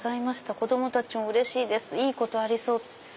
子供たちもうれしいですいいことありそう」。